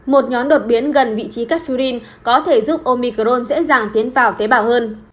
một nhóm đột biến gần vị trí cathfurin có thể giúp omicron dễ dàng tiến vào tế bào hơn